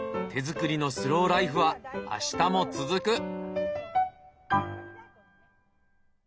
手作りのスローライフは明日も続く。